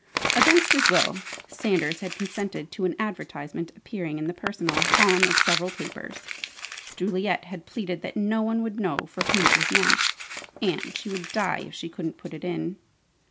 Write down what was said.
Against his will, Sanders had consented to an advertisement appearing in the "personal" column of several papers. Juliet had pleaded that no one would know for whom it was meant, and she should die if she couldn't put it in!